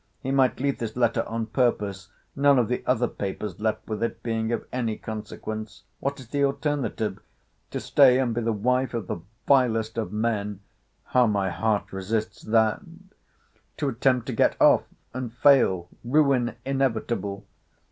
—He might leave this letter on purpose: none of the other papers left with it being of any consequence: What is the alternative?—To stay, and be the wife of the vilest of men—how my heart resists that!—To attempt to get off, and fail, ruin inevitable!